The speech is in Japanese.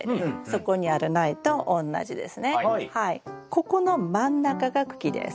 ここの真ん中が茎です。